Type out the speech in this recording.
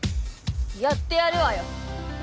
やってやるわよ